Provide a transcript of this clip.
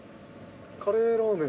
カレーラーメン。